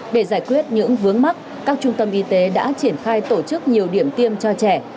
để giải quyết những vướng mắt các trung tâm y tế đã triển khai tổ chức nhiều điểm tiêm cho trẻ